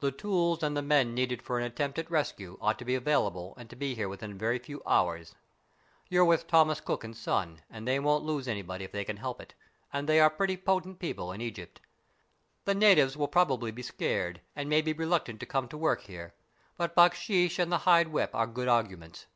The tools and the men needed for an attempt at rescue ought to be available and to be here within a very few hours. You're with Thomas Cook & Son, and they won't lose any BURDON'S TOMB 79 body if they can help it, and they are pretty potent people in Egypt. The natives will probably be scared, and may be reluctant to come to work here. But baksheesh and the hide whip are good arguments.